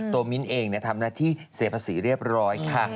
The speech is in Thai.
มิ้นเองทำหน้าที่เสียภาษีเรียบร้อยค่ะ